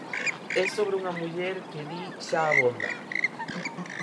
É sobre unha muller que di xa abonda!